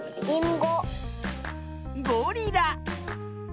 ゴリラ。